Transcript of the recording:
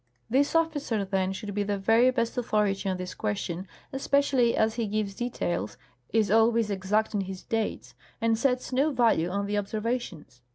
This officer, then, should be the very best authority on this question, especially as he gives details, is always exact in his dates, and sets no value on the observations.